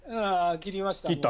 切りました。